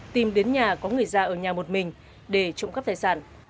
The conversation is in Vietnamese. tìm đến nhà có người già ở nhà một mình để trộm cắp tài sản